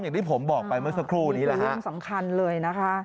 อย่างที่ผมบอกไปเมื่อสักครู่นี้แหละเรื่องสำคัญเลยนะคะ